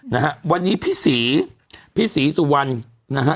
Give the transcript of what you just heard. นะฮะวันนี้พี่ศรีพี่ศรีสุวรรณนะฮะ